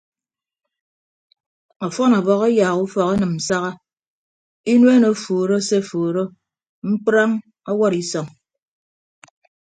Ọfọn ọbọhọ ayaak ufọk enịm nsaha inuen ofuuro se ofuuro mkprañ ọwọd isọñ.